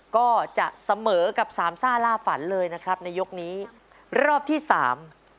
ก็จะเสมอกับสามซ่าล่าฝันเลยนะครับในยกนี้รอบที่สาม